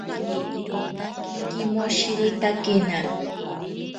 Kimoshiretakena.